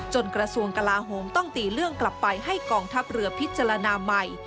กระทรวงกลาโหมต้องตีเรื่องกลับไปให้กองทัพเรือพิจารณาใหม่